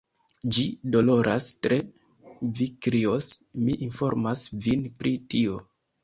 Ĝi doloras tre; vi krios, mi informas vin pri tio.